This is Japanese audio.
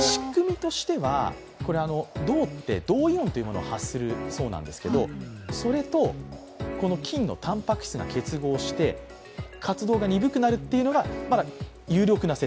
仕組みとしては銅って銅イオンというものを発生するそうなんですけれどもそれと菌のたんぱく質が結合して活動が鈍くなるというのが有力な説。